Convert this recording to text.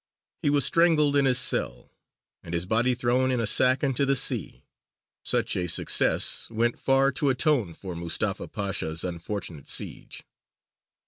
He was strangled in his cell, and his body thrown in a sack into the sea. Such a success went far to atone for Mustafa Pasha's unfortunate siege.